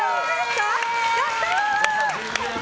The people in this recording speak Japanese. やったー！